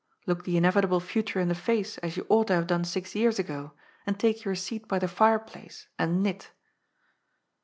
Look the in evitable future in the face, as you ought to have done six years ago, and take your seat by the fireplace and knit."